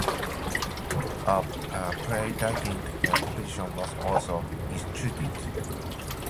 A playwrighting competition was also instituted.